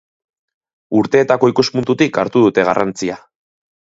Urteetako ikuspuntutik hartu dute garrantzia.